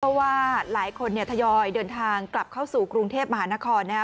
เพราะว่าหลายคนเนี่ยทยอยเดินทางกลับเข้าสู่กรุงเทพมหานครนะครับ